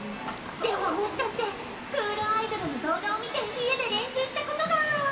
ではもしかしてスクールアイドルの動画を見て家で練習したことが！